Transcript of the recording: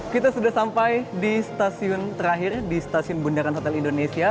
kita sudah sampai di stasiun terakhir di stasiun bundaran hotel indonesia